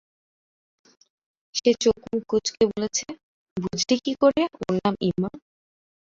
সে চোখ-মুখ কুঁচকে বলেছে, বুঝলি কি করে, ওর নাম ইমা?